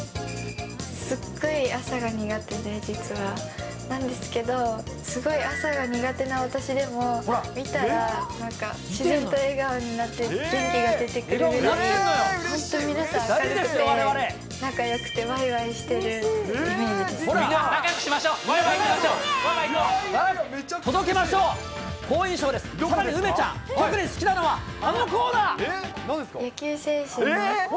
すっごい朝が苦手で、実は、なんですけど、すごい朝が苦手な私でも、見たらなんか、自然と笑顔になって、元気が出てくるぐらい、本当に皆さん明るくて、仲よくてわいわいしてるイメージですね。